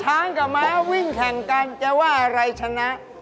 ช้างกับม้าวิ่งแข่งกันจะว่าอะไรชนะ